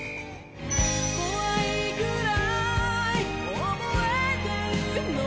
「恐いくらい覚えているの」